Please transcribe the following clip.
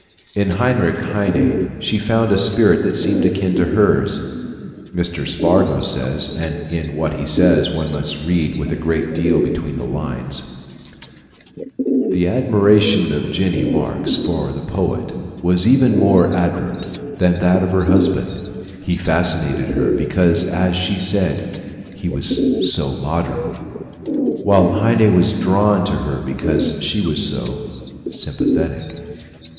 In Heinrich Heine she found a spirit that seemed akin to hers. Mr. Spargo says and in what he says one must read a great deal between the lines: The admiration of Jenny Marx for the poet was even more ardent than that of her husband. He fascinated her because, as she said, he was "so modern," while Heine was drawn to her because she was "so sympathetic."